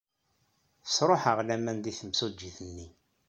Sṛuḥeɣ laman deg temsujjit-nni.